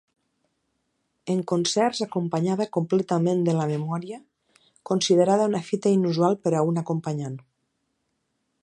En concerts acompanyava completament de la memòria, considerada una fita inusual per a un acompanyant.